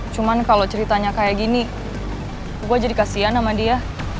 cuman kalau ceritanya kayak gini gue jadi kasian sama dia